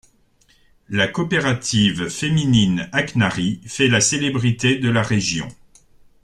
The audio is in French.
La coopérative féminine Aknari fait la célébrité de la région.